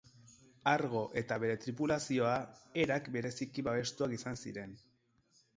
Argo eta bere tripulazioa, Herak bereziki babestuak izan ziren.